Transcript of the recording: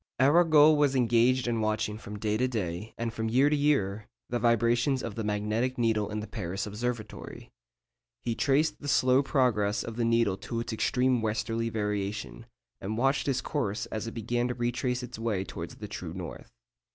Arago was engaged in watching from day to day, and from year to year, the vibrations of the magnetic needle in the Paris Observatory. He traced the slow progress of the needle to its extreme westerly variation, and watched its course as it began to retrace its way towards the true north.